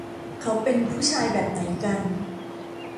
เขาเป็นผู้ชายแบบไหนกัน